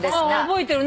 覚えてる。